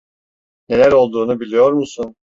Neler olduğunu biliyor musun?